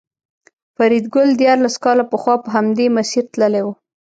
فریدګل دیارلس کاله پخوا په همدې مسیر تللی و